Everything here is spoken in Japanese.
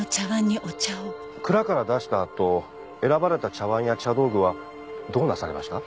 蔵から出した後選ばれた茶わんや茶道具はどうなされました？